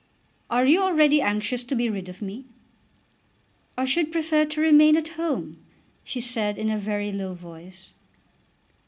"Are you already anxious to be rid of me?" "I should prefer to remain at home," she said in a very low voice.